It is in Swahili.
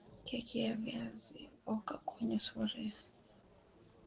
Keki ya viazi oka kwenye sufuria